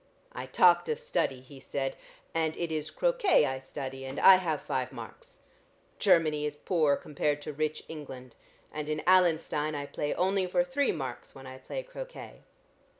"I talked of study," he said, "and it is croquet I study, and I have five marks. Chermany is poor compared to rich England, and in Allenstein I play only for three marks when I play croquet.